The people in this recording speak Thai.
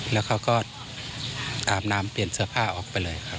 แล้วเขาก็อาบน้ำเปลี่ยนเสื้อผ้าออกไปเลยครับ